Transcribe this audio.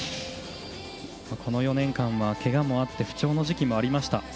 この４年間はけがもあって不調の時期もありました。